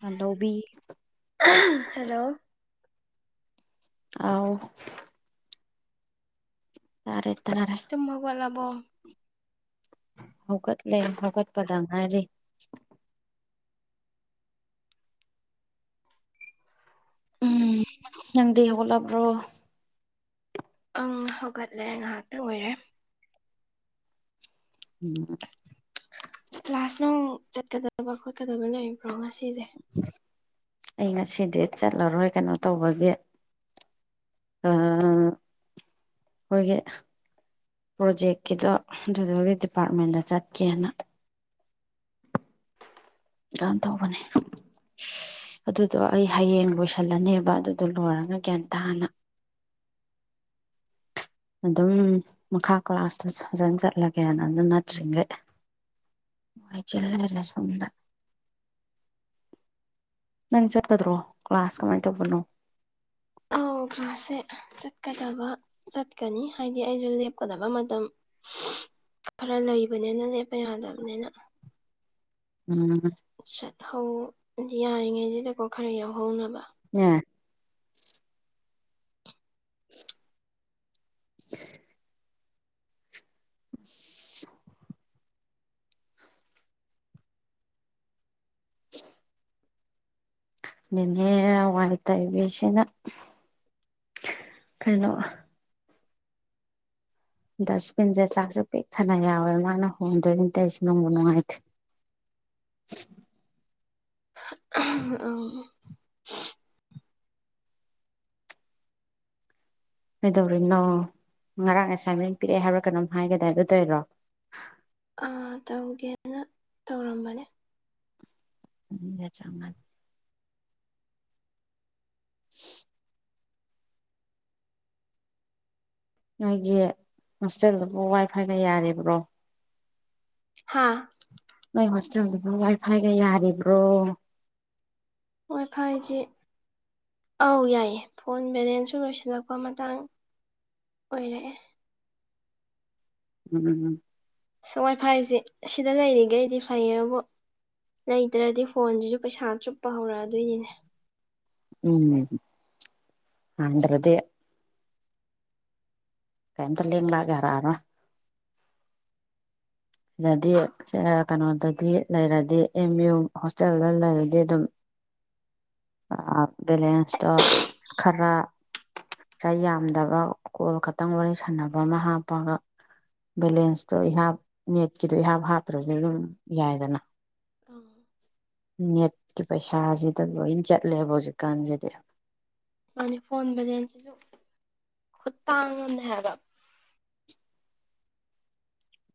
ꯍꯜꯂꯣꯕꯤ hello ꯑꯥꯎ ꯇꯥꯔꯦ ꯇꯥꯔꯦ ꯇꯨꯝ ꯍꯧꯒꯠꯂꯕꯣ ꯍꯧꯒꯠꯂꯦ ꯍꯧꯒꯠꯄꯗ ꯉꯥꯏꯔꯤ ꯎꯝ ꯅꯪꯗꯤ ꯍꯧꯒꯠꯂꯕ꯭ꯔꯣ ꯑꯪ ꯍꯧꯒꯠꯂꯦ ꯉꯥꯏꯍꯥꯛꯇꯪ ꯑꯣꯏꯔꯦ ꯎꯝ ꯀ꯭ꯂꯥꯁ ꯅꯨꯡ ꯆꯠꯀꯗꯕ ꯈꯣꯠꯀꯗꯕ ꯂꯩꯕ꯭ꯔꯣ ꯉꯁꯤꯁꯦ ꯑꯩ ꯉꯁꯤꯗꯤ ꯆꯠꯂꯔꯣꯏ ꯀꯩꯅꯣ ꯇꯧꯕꯒꯤ ꯑ ꯈꯣꯏꯒꯤ ꯄ꯭ꯔꯣꯖꯦꯛꯀꯤꯗꯣ ꯑꯗꯨꯗꯨꯒꯤ ꯗꯤꯄꯥꯔꯠꯃꯦꯟꯗ ꯆꯠꯀꯦꯅ ꯅ ꯇꯧꯕꯅꯤ ꯑꯗꯨꯗꯣ ꯑꯩ ꯍꯌꯦꯡ ꯂꯣꯏꯁꯜꯂꯅꯦꯕ ꯑꯗꯨꯗꯣ ꯂꯣꯏꯔꯒ ꯒ꯭ꯌꯥꯟ ꯇꯥꯅ ꯑꯗꯨꯝ ꯃꯈꯥ ꯀ꯭ꯂꯥꯁꯇꯨ ꯐꯖꯅ ꯆꯠꯂꯒꯦꯅ ꯑꯗꯨ ꯅꯠꯇ꯭ꯔꯤꯉꯩ ꯋꯥꯏ ꯆꯤꯜꯂꯩꯔꯦ ꯁꯦꯝꯗ ꯅꯪ ꯆꯠꯀꯗ꯭ꯔꯣ ꯀ꯭ꯂꯥꯁ ꯀꯃꯥꯏꯅ ꯇꯧꯕꯅꯣ ꯑꯧ ꯀ꯭ꯂꯥꯁꯁꯦ ꯆꯠꯀꯗꯕ ꯆꯠꯀꯅꯤ ꯍꯥꯏꯗꯤ ꯑꯩꯁꯨ ꯂꯦꯞꯀꯗꯕ ꯃꯇꯝ ꯈꯔ ꯂꯩꯕꯅꯤꯅ ꯂꯦꯞꯄ ꯌꯥꯗꯕꯅꯤꯅ ꯎꯝ ꯆꯠꯍꯧꯕ ꯌꯥꯔꯤꯉꯩꯁꯤꯗꯀꯣ ꯈꯔ ꯌꯥꯎꯍꯧꯅꯕ [unintelligible] [inaudible] [inaudible] [inaudible] ꯅꯦꯅꯦ ꯋꯥꯏ ꯇꯩꯕꯤꯁꯤꯅ ꯀꯩꯅꯣ ꯗꯁꯕꯤꯟꯁꯦ ꯆꯥꯛꯁꯨ ꯄꯤꯛ ꯊꯟꯅ ꯌꯥꯎꯋꯦ ꯃꯥꯅ ꯍꯣꯟꯗꯣꯛꯏꯅꯦ ꯇꯧꯏꯁꯦ ꯅꯨꯡꯕꯨ ꯅꯨꯡꯉꯥꯏꯇꯦ [inaudible] [unintelligible] ꯀꯩꯗꯧꯔꯤꯅꯣ ꯉꯔꯥꯡ ꯑꯦꯁꯥꯏꯟꯃꯦꯟ ꯄꯤꯔꯛꯑꯦ ꯍꯥꯏꯕ꯭ꯔꯥ ꯀꯩꯅꯣꯝ ꯍꯥꯏꯒꯤꯗꯥꯏ ꯑꯗꯨ ꯇꯧꯏꯔꯣ ꯑꯥ ꯇꯧꯒꯦꯅ ꯇꯧꯔꯝꯕꯅꯦ ꯎꯝꯅ ꯆꯪꯉꯟ [unintelligible] ꯅꯣꯏꯒꯤ ꯍꯣꯁꯇꯦꯜꯗꯨꯕꯨ ꯋꯥꯏ ꯐꯥꯏꯒ ꯌꯥꯔꯤꯕ꯭ꯔꯣ ꯍꯥꯥ ꯅꯣꯏ ꯍꯣꯁꯇꯦꯜꯗꯨꯕꯨ ꯋꯥꯏ ꯐꯥꯏꯒ ꯌꯥꯔꯤꯕ꯭ꯔꯣ ꯋꯥꯏꯐꯥꯏꯖꯦ ꯑꯧ ꯌꯥꯏꯌꯦ ꯐꯣꯟ ꯕꯦꯂꯦꯟꯁꯁꯨ ꯂꯣꯏꯁꯤꯜꯂꯛꯄ ꯃꯇꯥꯡ ꯑꯣꯏꯔꯛꯑꯦ ꯎꯝ ꯁꯋꯥꯏꯐꯥꯏꯖꯦ ꯁꯤꯗ ꯂꯩꯔꯤꯒꯩꯗꯤ ꯐꯩꯌꯦꯕꯨ ꯂꯩꯇ꯭ꯔꯗꯤ ꯐꯣꯟꯖꯤꯖꯨ ꯄꯩꯁꯥ ꯆꯨꯞꯄ ꯍꯧꯔꯛꯑꯗꯣꯏꯅꯤꯅꯦ ꯎꯝ ꯑꯟꯗ꯭ꯔꯗꯤ ꯀꯩꯝꯇ ꯂꯦꯡ ꯂꯥꯛ ꯌꯥꯔꯛꯑꯔꯣꯏ ꯁꯤꯗꯗꯤ ꯁꯦ ꯀꯩꯅꯣꯗꯗꯤ ꯂꯩꯔꯗꯤ ꯑꯦꯝ ꯌꯨ ꯍꯣꯁꯇꯦꯜꯗ ꯂꯩꯔꯗꯤ ꯑꯗꯨꯝ ꯑꯥ ꯕꯦꯂꯦꯟꯁꯇꯣ ꯈꯔ ꯄꯩꯁꯥ ꯌꯥꯝꯗꯕ ꯀꯣꯜ ꯈꯠꯇꯪ ꯋꯥꯔꯤ ꯁꯥꯟꯅꯕ ꯑꯃ ꯍꯥꯞꯄꯒ ꯕꯦꯂꯦꯟꯁꯇꯣ ꯏꯍꯥꯞ ꯅꯦꯠꯀꯤꯗꯣ ꯏꯍꯥꯞ ꯍꯥꯞꯇ꯭ꯔꯖꯨ ꯑꯗꯨꯝ ꯌꯥꯏꯗꯅ ꯎꯝ ꯅꯦꯠꯀꯤ ꯄꯩꯁꯥꯖꯤꯗ ꯂꯣꯏꯟ ꯆꯠꯂꯦꯕ ꯍꯧꯖꯤꯛꯀꯥꯟꯖꯤꯗꯤ ꯃꯥꯅꯤ ꯐꯣꯟ ꯚꯦꯂꯦꯟꯁꯤꯁꯨ ꯈꯨꯇꯥꯡ ꯑꯝꯅꯦ ꯍꯥꯏꯕ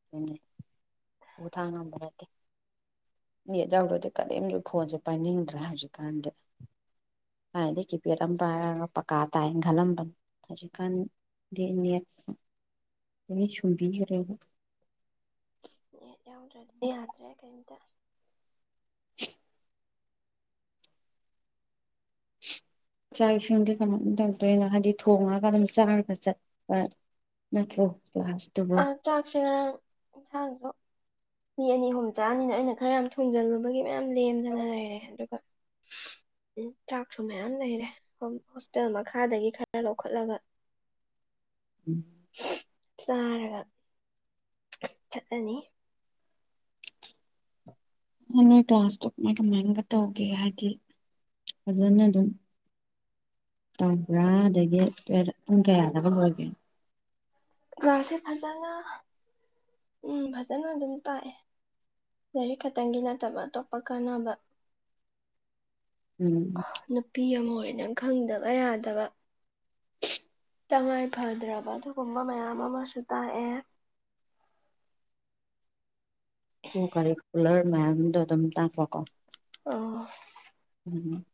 ꯑꯗꯨꯅꯦ ꯎ ꯊꯥꯡ ꯉꯝꯕ ꯅꯠꯇꯦ ꯅꯦꯠ ꯌꯥꯎꯗ꯭ꯔꯗꯤ ꯀꯔꯤꯝꯖꯨ ꯐꯣꯟꯁꯦ ꯄꯥꯏꯅꯤꯡꯗ꯭ꯔꯦ ꯍꯧꯖꯤꯛꯀꯥꯟꯗꯤ ꯊꯥꯏꯅꯗꯤ ꯀꯤꯄꯦꯠ ꯑꯃ ꯄꯥꯏꯔꯒ ꯄꯀꯥ ꯇꯥꯏꯅ ꯈꯜꯂꯝꯕꯅꯤ ꯍꯧꯖꯤꯛꯀꯥꯟ ꯗꯤꯅꯦꯠ ꯎꯅꯤ ꯁꯨꯝꯕꯤꯒꯔꯦꯕ ꯅꯦꯠ ꯌꯥꯎꯗ꯭ꯔꯗꯤ ꯌꯥꯗ꯭ꯔꯦ ꯀꯩꯝꯇ [inaudible] ꯆꯥꯛ ꯏꯁꯤꯡꯗꯤ ꯀꯃꯥꯏꯅ ꯇꯧꯗꯣꯏꯅꯣ ꯍꯥꯏꯗꯤ ꯊꯣꯡꯉꯒ ꯑꯗꯨꯝ ꯆꯥꯔꯒ ꯆꯠꯄ ꯅꯠꯇ꯭ꯔꯣ ꯀ꯭ꯂꯥꯁ ꯑꯥ ꯆꯥꯛꯁꯦ ꯉꯔꯥꯡ ꯏꯟꯁꯥꯡꯁꯨ ꯃꯤ ꯑꯅꯤ ꯑꯍꯨꯝ ꯆꯥꯅꯤꯅ ꯑꯩꯅ ꯈꯔ ꯌꯥꯝ ꯊꯣꯡꯖꯜꯂꯨꯕꯒꯤ ꯃꯌꯥꯝ ꯂꯦꯝꯗꯅ ꯂꯩꯔꯦ ꯑꯗꯨꯒ ꯎꯝ ꯆꯥꯛꯁꯨ ꯃꯌꯥꯝ ꯂꯩꯔꯦ ꯍꯣꯁꯇꯦꯜ ꯃꯈꯥꯗꯒꯤ ꯈꯔ ꯂꯧꯈꯠꯂꯒ ꯎꯝ ꯆꯥꯔꯒ ꯆꯠꯂꯅꯤ ꯍꯣꯏ ꯅꯣꯏ ꯀ꯭ꯂꯥꯁꯇꯣ ꯀꯃꯥꯏ ꯀꯃꯥꯏꯒ ꯇꯧꯒꯦ ꯍꯥꯏꯗꯤ ꯐꯖꯅ ꯑꯗꯨꯝ ꯇꯧꯕ꯭ꯔꯥ ꯑꯗꯒꯤ ꯄꯦꯔꯠ ꯄꯨꯡ ꯀꯌꯥꯗꯒ ꯂꯣꯏꯒꯦ ꯒ꯭ꯔꯥꯁꯦ ꯐꯖꯅ ꯎꯝ ꯐꯖꯅ ꯑꯗꯨꯝ ꯇꯥꯛꯑꯦ ꯂꯥꯏꯔꯤꯛ ꯈꯛꯇꯪꯒꯤ ꯅꯠꯇꯕ ꯑꯇꯣꯞꯄ ꯀꯥꯟꯅꯕ ꯎꯝ ꯅꯨꯄꯤ ꯑꯃ ꯑꯣꯏꯅ ꯈꯪꯗꯕ ꯌꯥꯗꯕ ꯇꯉꯥꯏ ꯐꯗ꯭ꯔꯕ ꯑꯗꯨꯒꯨꯝꯕ ꯃꯌꯥꯝ ꯑꯃꯁꯨ ꯇꯥꯛꯑꯦ ꯀꯨ ꯀꯔꯤꯀꯨꯂ꯭ꯔ ꯃꯌꯥꯝꯗꯣ ꯑꯗꯨꯝ ꯇꯥꯛꯄ ꯀꯣ ꯑꯧ ꯎꯝ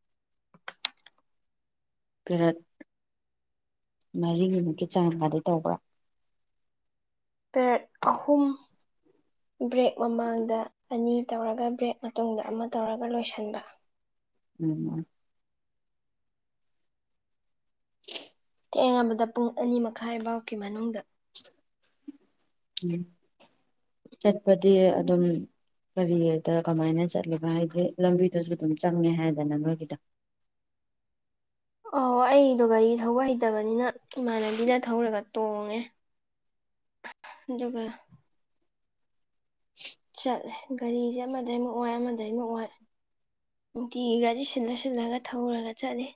ꯄꯦꯔꯦꯠ ꯃꯔꯤꯏꯃꯨꯛꯀꯤ ꯆꯥꯡꯒꯥꯗꯤ ꯇꯧꯕ꯭ꯔꯥ ꯄꯦꯔꯦꯠ ꯑꯍꯨꯝ ꯕ꯭ꯔꯦꯛ ꯃꯃꯥꯡꯗ ꯑꯅꯤ ꯇꯧꯔꯒ ꯕ꯭ꯔꯦꯛ ꯃꯇꯨꯡꯗ ꯑꯃ ꯇꯧꯔꯒ ꯂꯣꯏꯁꯟꯕ ꯎꯝ ꯊꯦꯡꯉꯕꯗ ꯄꯨꯡ ꯑꯅꯤ ꯃꯈꯥꯏꯕꯥꯎꯀꯤ ꯃꯅꯨꯡꯗ ꯎꯝ ꯆꯠꯄꯗꯤ ꯑꯗꯨꯝ ꯀꯔꯤꯗ ꯀꯃꯥꯏꯅ ꯆꯠꯂꯤꯕ ꯍꯥꯏꯗꯤ ꯂꯝꯕꯤꯗꯨꯁꯨ ꯑꯗꯨꯝ ꯆꯪꯉꯦ ꯍꯥꯏꯗꯅ ꯃꯣꯏꯒꯤꯗ ꯑꯣ ꯑꯩꯗꯣ ꯒꯥꯔꯤ ꯊꯧꯕ ꯍꯩꯇꯕꯅꯤꯅ ꯏꯃꯥꯟꯅꯕꯤꯗ ꯊꯧꯔꯒ ꯇꯣꯡꯉꯦ ꯑꯗꯨꯒꯒ [unintelligible] ꯆꯠꯂꯦ ꯒꯥꯔꯤꯁꯦ ꯑꯃꯗꯩꯃꯨꯛ ꯑꯣꯏ ꯑꯃꯗꯩꯃꯨꯛ ꯑꯣꯏ ꯅꯨꯡꯇꯤꯒꯤ ꯒꯥꯔꯤ ꯁꯤꯜꯂ ꯁꯤꯜꯂꯒ ꯊꯧꯔꯒ ꯆꯠꯂꯤ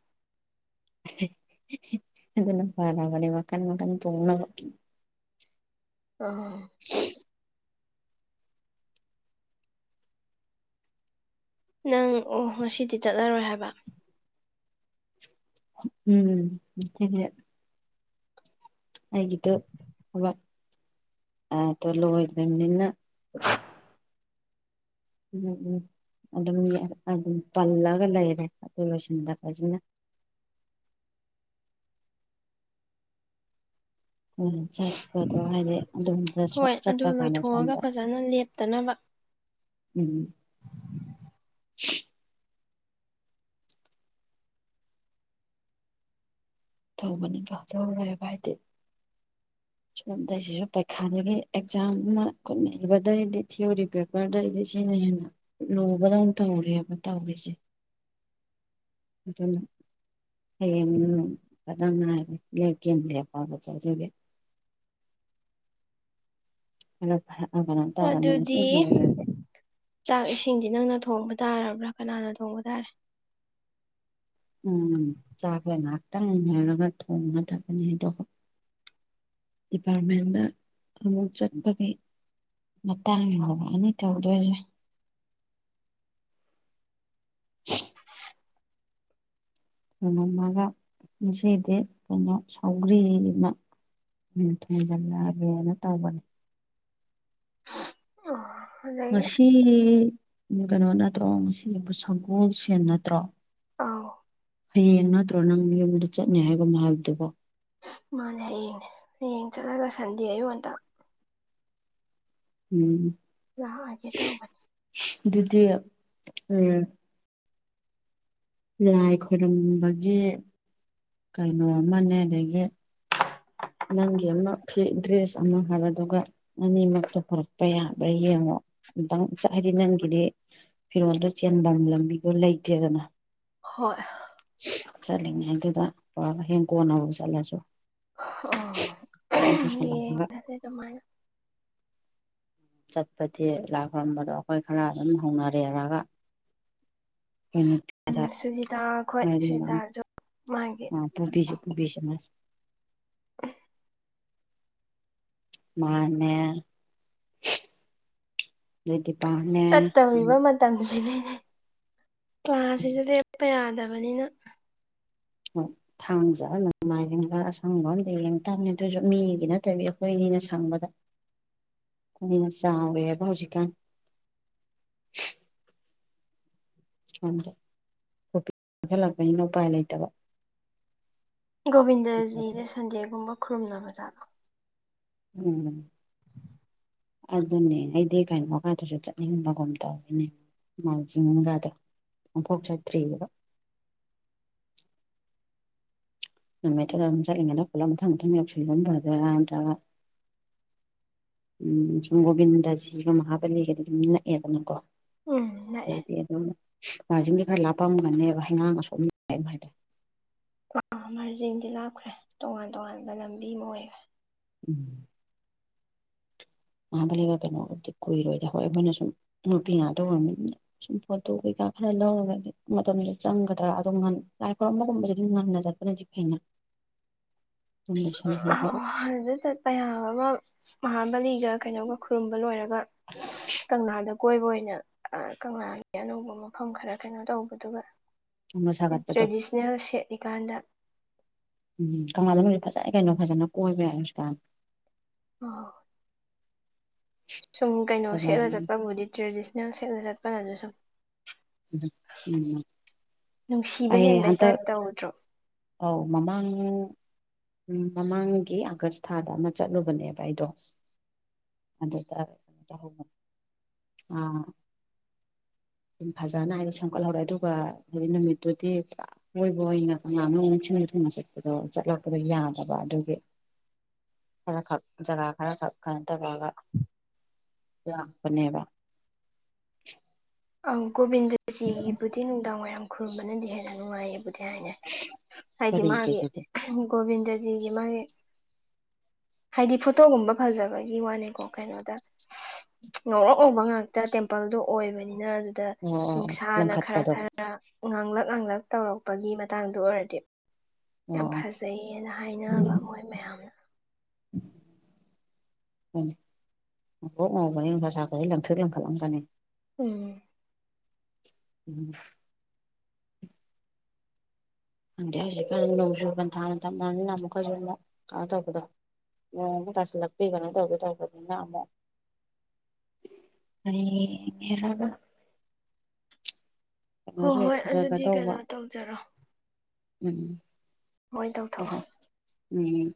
ꯑꯗꯨꯅ ꯐꯔꯒꯅꯤ ꯃꯀꯥꯟ ꯃꯀꯥꯟ ꯄ ꯑ ꯅꯪ ꯑꯣ ꯉꯁꯤꯗꯤ ꯆꯠꯂꯔꯣꯏ ꯍꯥꯏꯕ ꯎꯝ ꯊ ꯍꯥꯏꯒꯤꯗꯨꯕ ꯑ ꯇꯣꯂ ꯍꯣꯏꯗꯅꯤꯅ ꯎꯝ ꯎꯝ ꯑꯗꯨꯝ ꯑꯗꯨꯝ ꯄꯜꯂꯒ ꯂꯩꯔꯦ ꯑꯗꯨꯕꯕꯁꯤꯟꯗ ꯐꯖꯅ ꯎꯝ ꯆꯠꯄꯗꯣ ꯍꯥꯏꯗꯤ ꯑꯗꯨꯣꯝꯗ ꯍꯣꯏ ꯑꯗꯨ ꯆꯠꯄ ꯀꯥꯟꯗ ꯂꯣꯏꯊꯣꯛꯑꯒ ꯁꯣꯝꯗ ꯐꯖꯅ ꯂꯦꯞꯇꯅꯕ ꯎꯝ ꯇꯧꯕꯅꯤ ꯀꯣ ꯇꯧꯔꯣꯏꯦꯕ ꯍꯥꯏꯗꯤ [unintelligible] ꯁ ꯑꯗꯁꯤꯁꯨ ꯄꯔꯤꯈꯥꯗꯒꯤ ꯑꯦꯛꯖꯥꯝ ꯑꯃ ꯀꯠꯅꯕꯗꯒꯤꯩꯗꯤ ꯊꯤꯑꯣꯣꯔꯤ ꯄ ꯔꯗ ꯑꯩꯗꯤ ꯁꯤꯅ ꯍꯦꯟꯅ ꯂꯨꯕꯗꯧꯅ ꯇꯧꯔꯤꯑꯕ ꯇꯧꯔꯤꯁꯦ [unintelligible] ꯑꯗꯨ ꯍꯌꯦ ꯀ ꯌꯦ ꯀ ꯂꯦꯄꯒꯦ ꯍ ꯍꯥꯏꯅ ꯇ ꯅ ꯑꯗꯨꯗꯤ ꯑꯣꯏꯔꯦ ꯆꯥꯛ ꯏꯁꯤꯡꯁꯤ ꯅꯪꯅ ꯊꯣꯡꯕ ꯇꯥꯔꯕ꯭ꯔꯥ ꯀꯅꯥꯅ ꯊꯣꯡꯕ ꯇꯥꯔꯦ ꯎꯝ ꯆꯥꯛꯁ ꯉꯥꯏꯍꯥꯛꯇꯪ ꯏꯔꯒ ꯊꯣꯡꯉ ꯊꯕꯅꯤꯗꯣ ꯗꯤꯄꯥꯔꯠꯃꯦꯟꯗ ꯑꯃꯨꯛ ꯆꯠꯄꯒꯤ ꯃꯇꯥꯡ ꯂꯥꯎꯑꯅꯤ ꯇꯧꯗꯣꯏꯁꯦ ꯉꯉꯝꯃꯒ ꯉꯁꯤꯗꯤ ꯑꯩꯈꯣꯏꯩꯅ ꯁꯥꯎꯒ꯭ꯔꯤ ꯑꯃ ꯃꯤꯦꯟ ꯊꯣꯡꯖꯤꯜꯂꯛꯑꯒꯦꯅ ꯇꯧꯕꯅꯦ ꯎ ꯉ ꯀꯩꯅꯣ ꯅꯠꯇ꯭ꯔꯣ ꯉꯒꯤꯕꯨ ꯁꯪꯒꯣꯜꯁ ꯅꯠꯇ꯭ꯔꯣ ꯑꯥꯎ ꯍꯌꯦꯡ ꯅꯠꯇ꯭ꯔꯣ ꯅꯪ ꯌꯨꯝꯗ ꯆꯠꯅꯦ ꯍꯥꯏꯕ ꯃꯥ ꯍꯥꯏꯕꯗꯨꯀꯣ ꯃꯥꯅꯦ ꯍꯌꯦꯡꯅꯦ ꯌꯦꯡ ꯆꯠꯂꯒ ꯁꯟꯗꯤ ꯑꯌꯨꯛ ꯉꯟꯗ ꯎꯝ ꯂꯥꯛꯑꯒꯦ ꯇꯧꯕꯅꯦ ꯑꯗꯨꯗꯤ ꯎꯝ ꯂꯥꯏ ꯈꯨꯔꯨꯝꯕꯒꯤ ꯀꯩꯅꯣ ꯑꯃꯅꯦ ꯑꯗꯒꯤ ꯅꯪꯒꯤ ꯑꯃ ꯐ ꯗ꯭ꯔꯦꯁ ꯑꯃ ꯍꯥꯏꯕꯗꯨꯒ ꯑꯅꯤꯃꯛꯇ ꯄꯨꯣꯔꯛꯄ ꯌꯥꯕ꯭ꯔꯥ ꯌꯦꯡꯉꯣ ꯑꯝꯇꯪ ꯍꯥꯏꯗꯤ ꯅꯪꯒꯤꯗꯤ ꯐꯤꯔꯣꯜꯗꯨꯣ ꯆꯦꯟꯐꯝ ꯂꯝꯕꯤꯗꯣ ꯂꯩꯇꯦꯗꯅ ꯍꯣꯏ ꯆꯠꯂꯤꯉꯩ ꯑꯗꯨꯗ ꯄꯨꯔꯒ ꯍꯌꯦ ꯀꯣꯟꯅꯅꯕ ꯆꯠꯂꯁꯨ ꯁꯨꯝ ꯑꯣ ꯄꯨꯁꯜꯂꯝꯃꯒ ꯍꯁꯦ ꯇꯃꯥꯏ ꯆꯠꯄꯗꯤ ꯂꯥꯛꯈꯔꯝꯕꯗꯣ ꯑꯩꯈꯣꯏ ꯈꯔ ꯑꯗꯨꯝ ꯍꯧꯅꯔꯦꯔꯒ ꯀꯔ ꯎꯝ ꯁꯨꯖꯤꯇꯥ ꯑꯩꯈꯣꯏ ꯃꯗꯤ ꯁꯨꯖꯤꯇꯥꯁꯨ ꯃꯥꯒꯤ ꯑ ꯄꯨꯕꯤꯁꯤ ꯄꯨꯕꯤꯁꯤ ꯃ ꯃꯥꯅꯦ ꯑꯗꯩ ꯗꯤꯄꯥꯅꯦ ꯑꯗꯩ ꯆꯠꯇꯧꯔꯤꯕ ꯃꯇꯝꯁꯤꯅꯦꯅꯦ ꯀ꯭ꯂꯥꯁꯁꯤꯁꯨ ꯂꯦꯞꯄ ꯌꯥꯗꯕꯅꯤꯅ ꯎꯝ ꯁꯥꯡꯖꯕ ꯅꯃꯥꯏꯕ ꯑꯁꯪꯕ ꯑꯝꯗ ꯌꯦꯡꯛꯇꯕꯅꯦ ꯑꯗꯨꯑꯣꯁꯨ ꯃꯤꯒꯤ ꯅꯠꯇꯕꯤ ꯑꯩꯈꯣꯏꯅꯤꯅ ꯁꯪꯕꯗ [inaudible] ꯎ ꯆꯥꯎꯋꯦꯕ ꯍꯧꯖꯤꯀꯥꯟ ꯗ ꯀꯣꯄꯤ ꯀꯈꯠꯂꯛꯄꯅꯤꯅ ꯎꯄꯥꯏ ꯂꯩꯇꯕ ꯒꯣꯕꯤꯟꯗꯖꯤꯁꯦ ꯁꯟꯗꯦꯒꯨꯝꯕ ꯈꯨꯔꯨꯝꯅꯕꯖꯥꯠꯣ ꯎꯝ ꯑꯗꯨꯅꯦ ꯑꯩꯗꯤ ꯀꯩꯅꯣꯀꯗꯨꯁꯨ ꯆꯠꯅꯤꯡꯕꯒꯨꯝ ꯇꯧꯔꯤꯅꯦ ꯃꯖꯅꯒꯗ꯭ꯔ ꯑꯣꯐꯥꯎ ꯆ ꯊ꯭ꯔꯤꯕ ꯅꯝꯃꯦꯇꯝ ꯆꯉ ꯐꯂꯪꯪ ꯂꯜꯒꯕꯔꯗꯗ꯭ꯔꯒ ꯎꯝ ꯁꯨꯝ ꯒꯣꯕꯤꯟꯗꯖꯤꯒ ꯃꯍꯥꯕꯂꯤꯒꯗꯤ ꯑꯗꯨꯝ ꯅꯛꯑꯦꯗꯅꯀꯣ ꯎꯝ ꯅꯛꯑꯦ ꯑꯗꯩꯗꯤ ꯑꯗꯨ ꯃꯥꯔꯖꯟꯗꯤ ꯈꯔ ꯂꯥꯞꯄꯝꯒꯅꯦꯕ ꯍꯩꯉꯥꯡꯒꯁꯨꯝ ꯌꯥ ꯍꯥꯏꯗꯤꯦ ꯑ ꯃꯥꯔꯖꯤꯡꯗꯤ ꯂꯥꯛꯈ꯭ꯔꯦ ꯇꯣꯉꯥꯟ ꯇꯣꯉꯥꯟꯕ ꯂꯝꯕꯤ ꯑꯃ ꯑꯣꯏꯈꯦ ꯎꯝ ꯃꯥꯕ ꯂꯩꯒ ꯀꯩꯅꯣꯕꯨꯗꯤ ꯀꯨꯏꯔꯣꯏꯗ ꯍꯣꯏ ꯑꯩꯈꯣꯏꯅ ꯁꯨꯝ ꯅꯨꯄꯤ ꯉꯥꯛꯇ ꯑꯣꯏꯔꯅꯤ ꯁꯨꯝ ꯐꯣꯇꯣ ꯀꯩꯀꯥ ꯈꯔ ꯂꯧꯔꯒꯗꯤ ꯃꯇꯝꯗ ꯆꯪꯒꯗ꯭ꯔꯥ ꯑꯗꯨꯝ ꯂꯥꯏ ꯈꯔꯝꯕꯒꯨꯝꯕꯁ ꯑꯗꯨꯝ ꯉꯟꯅ ꯆꯠꯄꯅꯗꯤ ꯍ ꯑꯣ ꯑꯗꯨ ꯆꯠꯄ ꯌꯥ ꯑꯃ ꯃꯍꯥꯕꯂꯤꯒ ꯀꯩꯅꯣꯒ ꯈꯨꯔꯨꯝꯕ ꯂꯣꯏꯔꯒ ꯀꯪꯂꯥꯗ ꯀꯣꯏꯕ ꯑꯣꯏꯅ ꯀꯪꯂꯥꯒꯤ ꯑꯅꯧꯕ ꯃꯐꯝ ꯈꯔ ꯀꯩꯅꯣ ꯇꯧꯕꯗꯨꯒ ꯑꯃ ꯁꯥꯒꯠꯄꯗꯣ ꯇ꯭ꯔꯦꯗꯤꯁꯅꯦꯜ ꯁꯦꯠꯂꯤꯀꯥꯟꯗ ꯎꯝ ꯀꯪꯂꯪꯥꯟꯗꯅ ꯍꯧꯖꯤꯛ ꯐꯖꯅ ꯀꯩꯅꯣ ꯐꯖꯅ ꯀꯣꯏꯕ ꯌꯥꯏ ꯍꯧꯁꯨ ꯀꯥꯏ ꯎꯝ ꯁꯨꯝ ꯀꯩꯅꯣ ꯁꯦꯠꯂ ꯐꯖꯔꯕꯅꯤ ꯆꯠꯄꯕꯨꯗꯤ ꯇ꯭ꯔꯦꯗꯤꯁꯅꯦꯜ ꯁꯦꯠꯂ ꯆꯠꯄꯅ ꯑꯗꯨ ꯁꯨꯝ ꯎꯝ ꯅꯨꯡꯁꯤꯕ ꯍꯦꯟꯕꯩ ꯇꯥꯏꯞ ꯇꯧꯗ꯭ꯔꯣ ꯑꯥꯎ ꯃꯃꯥꯡ ꯎꯝ ꯃꯃꯥꯡꯒꯤ ꯑꯥꯒꯁ ꯊꯥꯗ ꯑꯃ ꯆꯠꯂꯨꯕꯅꯦꯕ ꯑꯩꯗꯣ ꯑꯗꯨ ꯇꯔ ꯑ ꯐꯖꯅ ꯑꯩꯗ ꯁꯦꯝꯒꯠꯍꯧꯔꯦ ꯑꯗꯨꯒ ꯍꯥꯏꯗꯤ ꯅꯨꯃꯤꯠꯇꯨꯗꯤ ꯄꯨ ꯃꯣꯏꯕꯨ ꯑꯩꯅ ꯀꯪꯂꯅ ꯊꯅ ꯊꯨꯝꯅ ꯆꯠꯄꯗꯣ ꯆꯠꯂꯛꯄꯗꯣ ꯌꯥꯗꯕ ꯑꯗꯨꯒꯤ ꯈꯔ ꯈꯛ ꯖꯒꯥ ꯈꯔ ꯈꯛ ꯈꯔ ꯖꯒꯥꯒ ꯂꯥꯛꯄꯅꯦꯕ ꯑꯪ ꯒꯣꯕꯤꯟꯗꯖꯤꯒꯤꯕꯨꯗꯤ ꯅꯨꯡꯗꯥꯡ ꯋꯥꯏꯔꯝ ꯈꯨꯔꯨꯝꯕꯅꯗꯤ ꯍꯦꯟꯅ ꯅꯨꯡꯉꯥꯏꯌꯦꯕꯨꯗꯤ ꯍꯥꯏꯅꯦ ꯀꯔꯤꯦꯟ ꯀꯦꯇꯗꯤ ꯒꯣꯕꯤꯟꯗꯖꯤꯒꯤ ꯃꯥꯒꯤ ꯍꯥꯏꯗꯤ ꯐꯣꯇꯣꯒꯨꯝꯕ ꯐꯖꯕꯒꯤ ꯋꯥꯅꯦꯀꯣ ꯀꯩꯅꯣꯗ ꯉꯧꯔꯣꯛ ꯉꯧꯕ ꯉꯥꯛꯇ ꯇꯦꯝꯄꯜꯗꯣ ꯑꯣꯏꯕꯅꯤꯅ ꯑꯗꯨꯗ ꯑꯣ ꯑꯣ ꯅꯨꯡꯁꯥꯅ ꯈꯔ ꯂꯪꯈꯠꯄꯗꯣ ꯈꯔ ꯉꯥꯡꯂꯛ ꯉꯥꯡꯂꯛ ꯇꯧꯔꯛꯄꯒꯤ ꯃꯇꯥꯡꯗ ꯑꯣꯏꯔꯗꯤ ꯑꯣ ꯌꯥꯝ ꯑꯣ ꯐꯖꯩꯌꯦꯅ ꯍꯥꯏꯅꯕ ꯃꯣꯏ ꯃꯌꯥꯝꯅ ꯎ ꯎꯝ ꯃ ꯎꯐꯖꯒꯍ ꯂꯪꯊꯔ ꯂꯦꯡꯐꯂꯝꯖꯅꯤ ꯎꯝ꯫ [unintelligible] ꯈꯪꯗꯦ ꯅꯣꯡꯁꯨꯨ ꯄꯟꯊꯥ [unintelligible] ꯑꯃꯨꯛ ꯀꯖꯨ ꯃꯨꯛ ꯀꯩꯅꯣ ꯇꯧꯕꯗꯣ꯫ ꯅꯣꯡ ꯑꯃꯨꯛ ꯇꯥꯁꯤꯜꯂꯛꯄꯤ ꯀꯩꯅꯣ ꯇꯧꯒꯦ ꯇꯧꯕꯅꯤꯅ ꯑꯃꯨꯛ꯫ [unintelligible] ꯍꯣꯏ ꯀꯩꯅꯣꯖꯨ ꯍꯦꯛ ꯍꯣꯏ ꯑꯗꯨꯗꯤ ꯐꯖꯒꯗꯧꯕ ꯀꯩꯅꯣ ꯇꯧꯖꯔꯣ ꯎꯝ꯫ ꯍꯣꯏ ꯎꯝ꯫